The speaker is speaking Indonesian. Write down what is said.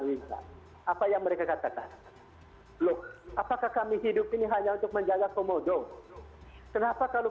wisata apa yang mereka katakan loh apakah kami hidup ini hanya untuk menjaga komodo kenapa kalau